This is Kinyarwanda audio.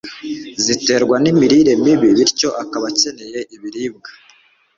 ziterwa n'imirire mibi bityo akaba akeneye ibiribwa